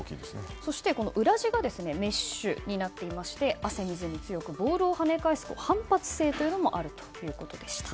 そして裏地がメッシュになっていまして汗水に強く、ボールを跳ね返す反発性もあるということでした。